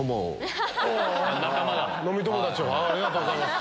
ありがとうございます。